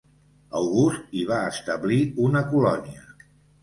August hi va establir una colònia.